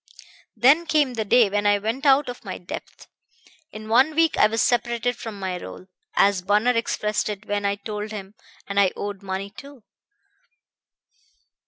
Then came the day when I went out of my depth. In one week I was separated from my roll, as Bunner expressed it when I told him; and I owed money, too.